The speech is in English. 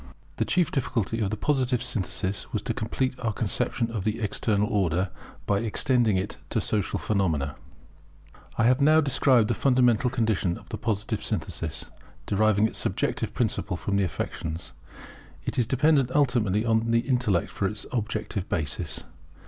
[The chief difficulty of the Positive Synthesis was to complete our conception of the External Order, by extending it to Social phenomena] I have now described the fundamental condition of the Positive Synthesis. Deriving its subjective principle from the affections, it is dependent ultimately on the intellect for its objective basis.